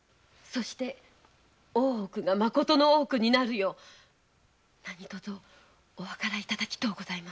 大奥がまことの大奥になるようお計らいいただきとうございます。